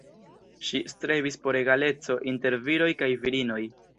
Ŝi strebis por egaleco inter viroj kaj virinoj.